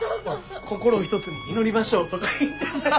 心を一つに祈りましょうとか言ってさぁ。